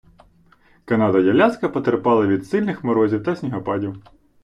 Канада й Аляска потерпали від сильних морозів та снігопадів.